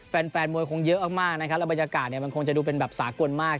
แฟนมวยคงเยอะมากและบรรยากาศคงจะดูเป็นสากวนมาก